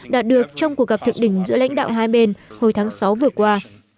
đã được trong cuộc gặp thực đỉnh giữa lãnh đạo hai bên hồi tháng sáu vừa qua